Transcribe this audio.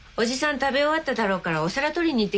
食べ終わっただろうからお皿取りに行ってきて。